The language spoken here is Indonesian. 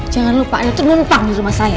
jangan lupa anda tuh numpang di rumah saya